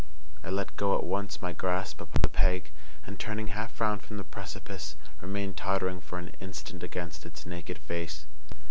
I let go at once my grasp upon the peg, and, turning half round from the precipice, remained tottering for an instant against its naked face.